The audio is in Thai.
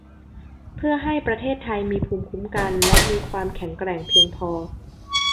เพื่อให้ประเทศไทยมีภูมิคุ้มกันและมีความแข็งแกร่งเพียงพอ